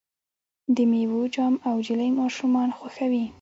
د میوو جام او جیلی ماشومان خوښوي.